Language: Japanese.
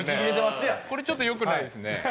これちょっと良くないですね。